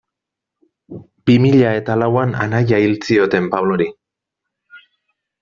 Bi mila eta lauan anaia hil zioten Pablori.